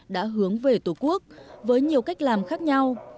đã hướng về tổ quốc với nhiều cách làm khác nhau